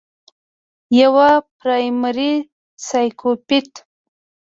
يوه پرائمري سايکوپېت